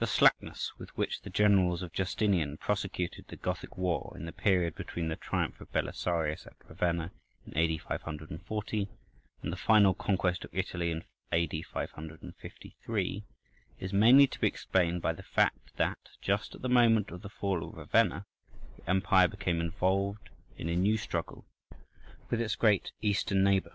The slackness with which the generals of Justinian prosecuted the Gothic war in the period between the triumph of Belisarius at Ravenna in A.D. 540, and the final conquest of Italy in A.D. 553, is mainly to be explained by the fact that, just at the moment of the fall of Ravenna, the empire became involved in a new struggle with its great Eastern neighbour.